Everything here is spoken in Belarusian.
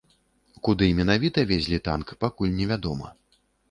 Куды менавіта везлі танк, пакуль невядома.